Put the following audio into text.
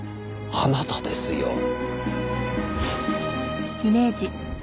あなたですよ。